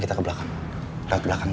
kita ke belakang